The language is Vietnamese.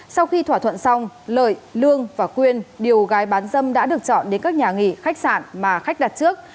sau khi thỏa thuận xong lợi lương và quyên điều gái bán dâm đã được chọn đến các nhà nghỉ khách sạn mà khách đặt trước